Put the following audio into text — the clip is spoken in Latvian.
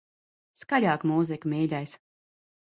Skaļāk mūziku, mīļais.